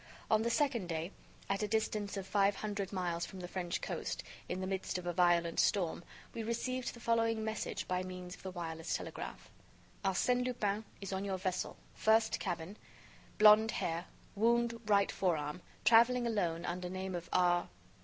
On the second day, at a distance of five hundred miles from the French coast, in the midst of a violent storm, we received the following message by means of the wireless telegraph: "Arsène Lupin is on your vessel, first cabin, blonde hair, wound right fore arm, traveling alone under name of R........"